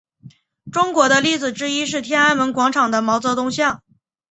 中国的例子之一是天安门广场的毛泽东像。